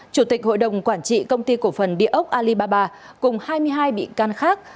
chủ tịch hội đồng quản trị công ty cổ phần địa ốc alibaba cùng hai mươi hai bị can khác